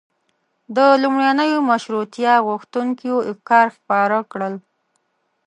د لومړنیو مشروطیه غوښتونکيو افکار خپاره کړل.